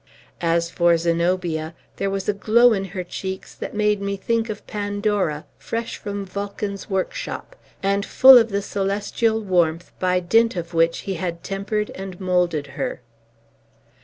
As for Zenobia, there was a glow in her cheeks that made me think of Pandora, fresh from Vulcan's workshop, and full of the celestial warmth by dint of which he had tempered and moulded her.